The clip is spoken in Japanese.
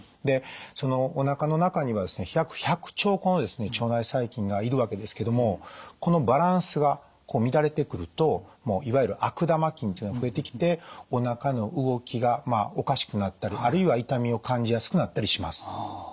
でそのおなかの中にはですね約１００兆個の腸内細菌がいるわけですけどもこのバランスが乱れてくるといわゆる悪玉菌というのが増えてきておなかの動きがおかしくなったりあるいは痛みを感じやすくなったりします。